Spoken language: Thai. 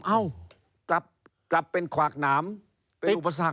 เอ้ากลับเป็นขวากหนามเป็นอุปสรรค